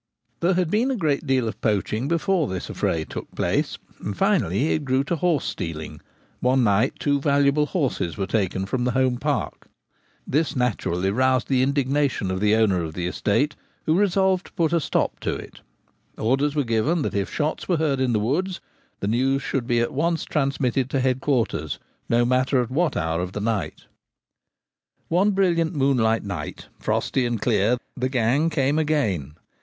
There had been a great deal of poaching before the affray took place, and finally it grew to horse stealing : one night two valuable horses were taken from the home park. This naturally roused the indignation of the owner of the estate, who resolved to put a stop to it Orders were given that if shots were heard in the woods the news should be at once transmitted to head quarters, no matter at what hour of the night o 1 94 The Gamekeeper at Home. One brilliant moonlight night, frosty and clear, the gang came again.